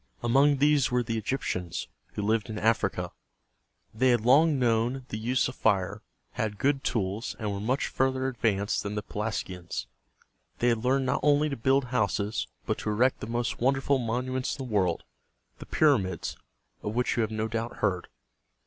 Among these were the E gyp´tians, who lived in Africa. They had long known the use of fire, had good tools, and were much further advanced than the Pelasgians. They had learned not only to build houses, but to erect the most wonderful monuments in the world, the Pyr´a mids, of which you have no doubt heard.